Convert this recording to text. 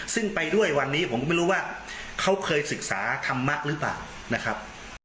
ซึ่งไปด้วยวันนี้ผมก็ไม่รู้ว่าเขาเคยศึกษาธรรมะหรือเปล่านะครับ